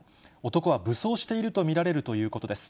男は武装していると見られるということです。